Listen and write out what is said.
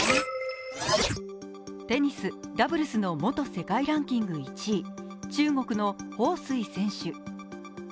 テニス、ダブルスの元世界ランキング１位中国の彭帥選手。